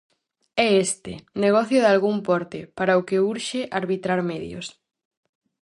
É este, negocio de algún porte, para o que urxe arbitrar medios.